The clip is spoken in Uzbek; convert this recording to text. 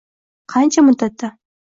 Qancha muddatda?